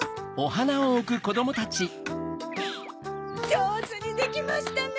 じょうずにできましたね！